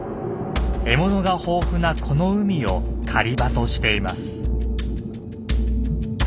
獲物が豊富なこの海を狩場としています。